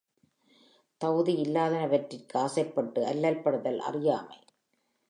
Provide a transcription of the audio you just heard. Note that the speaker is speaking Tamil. தகுதியில்லாதன்வற்றிற்கு ஆசைப்பட்டு அல்லல்படுதல் அறியாமை.